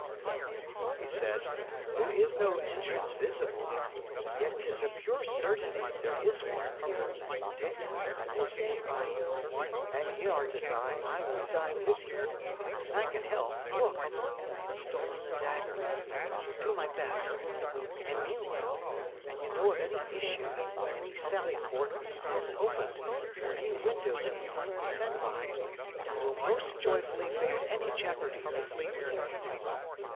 "No," he said, "there is no entrance visible. Yet 'tis a pure certainty there is one. Dick, I will stay by you. An y' are to die, I will die with you. And I can help look! I have stolen a dagger I will do my best! And meanwhile, an ye know of any issue, any sally port we could get opened, or any window that we might descend by, I will most joyfully face any jeopardy to flee with you."